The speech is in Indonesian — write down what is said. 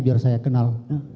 biar saya kenal